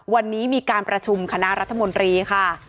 วันนี้มีการประชุมคณะรัฐมนตรีค่ะ